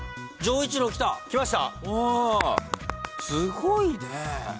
すごいね。